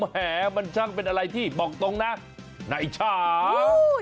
แหมมันช่างเป็นอะไรที่บอกตรงนะในเช้า